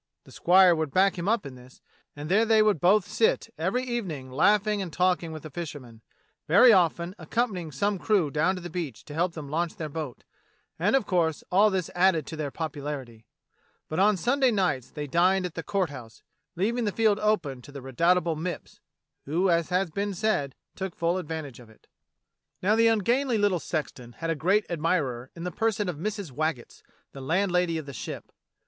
The squire would back him up in this, and there they would both sit every evening laughing and talking with the fishermen, very often accompanying some crew down to the beach to help them launch their boat — and of course all this added to their popularity. But on Sunday nights they dined at the Court House, leaving the field open for the redoubtable Mipps, who, as has been said, took full advantage of it. Now the ungainly little sexton had a great admirer in the person of Mrs. Waggetts, the landlady of the Ship.